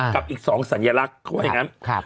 กับอีก๒สัญลักษณ์เขาอีกนั้น